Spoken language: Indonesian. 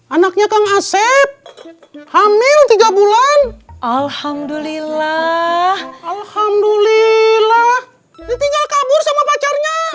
anaknya kang asep hamil tiga bulan alhamdulillah alhamdulillah ditinggal kabur sama pacarnya